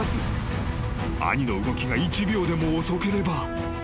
［兄の動きが一秒でも遅ければ］